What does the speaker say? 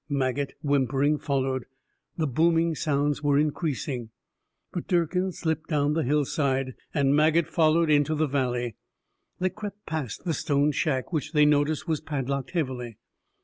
Maget, whimpering, followed. The booming sounds were increasing. But Durkin slipped down the hillside, and Maget followed into the valley. They crept past the stone shack, which they noticed was padlocked heavily.